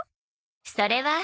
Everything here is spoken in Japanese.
それは。